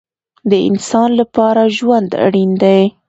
د انسان لپاره ژوند اړین دی